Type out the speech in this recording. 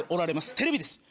テレビです。